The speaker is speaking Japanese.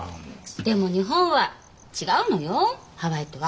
でも日本は違うのよハワイとは。